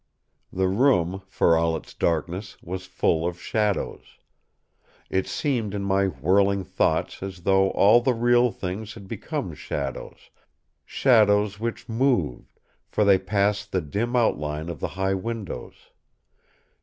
The room, for all its darkness, was full of shadows. It seemed in my whirling thoughts as though all the real things had become shadows—shadows which moved, for they passed the dim outline of the high windows.